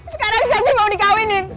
sekarang selfie mau dikawinin